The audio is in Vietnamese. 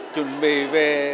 chuẩn bị về